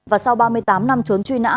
và sau ba mươi tám năm trốn truy nã